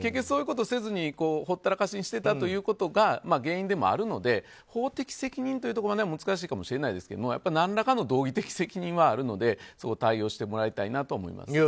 そういうことをせずにほったらかしにしていたことが原因でもあるので法的責任というところまでは難しいかもしれませんが何らかの道義的責任はあるので対応してもらいたいなと思います。